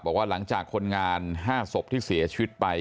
บอกว่าหลังจากคนงาน๕ศพที่เสียชีวิตไป